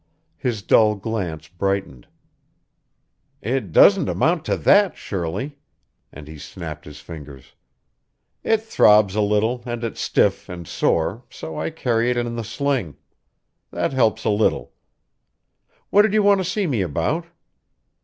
His dull glance brightened. "It doesn't amount to that, Shirley." And he snapped his fingers. "It throbs a little and it's stiff and sore, so I carry it in the sling. That helps a little. What did you want to see me about?"